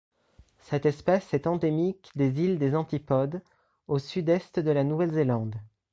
Cette espèce est endémique des îles des Antipodes au sud-est de la Nouvelle-Zélande.